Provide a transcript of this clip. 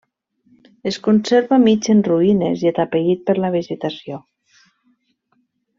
Es conserva mig en ruïnes i atapeït per la vegetació.